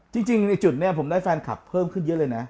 จริงในจุดนี้ผมได้แฟนคลับเพิ่มขึ้นเยอะเลยนะ